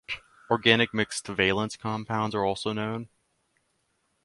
Organic mixed valence compounds are also known.